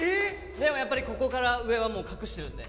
でもやっぱりここから上はもう隠してるんで。